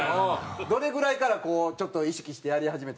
どれぐらいからこうちょっと意識してやり始めたの？